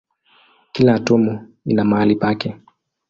Kila atomu ina mahali pake.